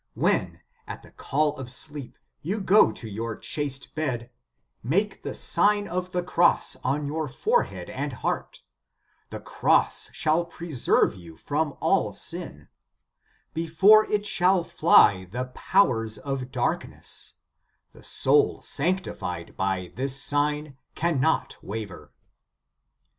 "When, at the call of sleep, you go to your chaste bed, make the Sign of the Cross on 1 48 The Sign of the Cross your forehead and heart. The Cross shall preserve you from all sin ; before it shall fly the powers of darkness ; the soul sanctified by this sign, cannot waver."